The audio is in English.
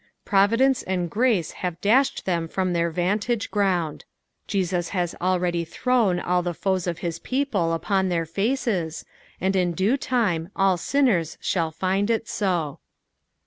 Providence and grace have dashed them from their vdntage ground. Jeans has already thrown all the foes of his people upon their faces, and in due time all sinners shall find it so.